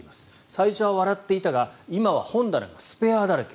最初は笑っていたが今は本棚が「スペア」だらけ